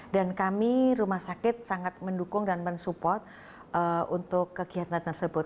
dan kami rumah sakit sangat mendukung dan mensupport untuk kegiatan tersebut